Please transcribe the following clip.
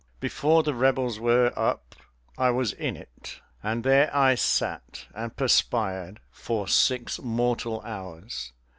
Before the Rebels were up I was in it, and there I sat and perspired for six mortal hours.